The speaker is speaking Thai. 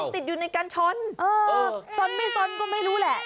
ติดอยู่ในกันช้อนเออซ้อนไม่ซ้อนก็ไม่รู้แหละ